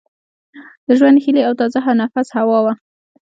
د ژوند هیلي او تازه نفس هوا وه